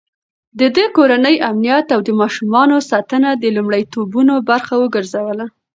ده د کورنۍ امنيت او د ماشومانو ساتنه د لومړيتوبونو برخه وګرځوله.